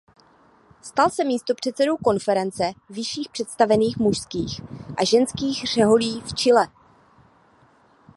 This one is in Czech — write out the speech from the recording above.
Stal se místopředsedou Konference vyšších představených mužských a ženských řeholí v Chile.